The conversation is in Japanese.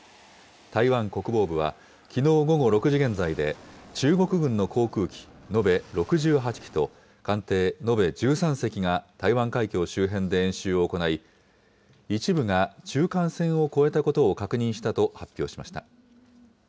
台湾国防部は、きのう午後６時現在で、中国軍の航空機延べ６８機と、艦艇延べ１３隻が、台湾海峡周辺で演習を行い、一部が中間線を越えたことを確認したと発表しました。